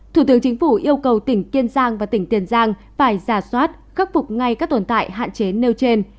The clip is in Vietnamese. thủ tướng chính phủ yêu cầu tỉnh kiên giang và tỉnh tiền giang phải giả soát khắc phục ngay các tồn tại hạn chế nêu trên